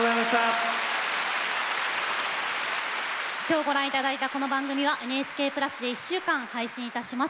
今日ご覧いただいたこの番組は、ＮＨＫプラスで１週間、配信いたします。